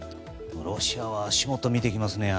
ロシアはやはり足元を見てきますね。